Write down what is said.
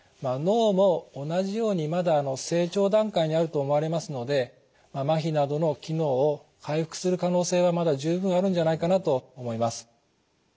脳も同じようにまだ成長段階にあると思われますので麻痺などの機能を回復する可能性はまだ十分あるんじゃないかなと思います。